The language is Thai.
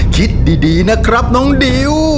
คิดดีนะครับน้องดิว